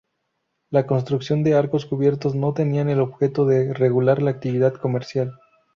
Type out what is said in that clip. La construcción de arcos cubiertos no tenía el objeto de regular la actividad comercial.